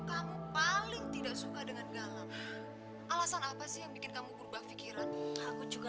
kamu paling tidak suka dengan gala alasan apa sih yang bikin kamu berubah pikiran aku juga